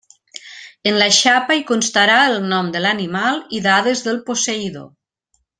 En la xapa hi constarà el nom de l'animal i dades del posseïdor.